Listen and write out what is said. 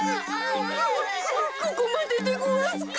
こここまででごわすか。